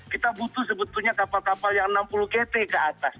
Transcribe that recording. kita butuh sebetulnya kapal kapal yang enam puluh gt ke atas